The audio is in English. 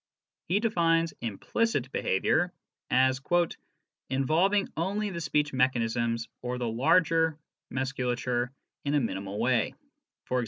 He defines " implicit behaviour " as " involving only the speech mechanisms (or the larger musculature in a minimal way; e.g.